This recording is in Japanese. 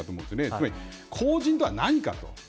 つまり公人とは何かと。